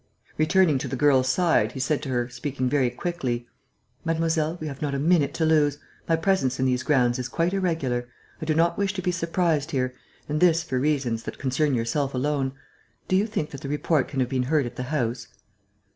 Returning to the girl's side, he said to her, speaking very quickly: "Mademoiselle, we have not a minute to lose. My presence in these grounds is quite irregular. I do not wish to be surprised here; and this for reasons that concern yourself alone. Do you think that the report can have been heard at the house?"